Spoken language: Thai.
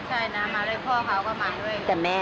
ใช่น้ามาด้วยพ่อเขาก็มาด้วย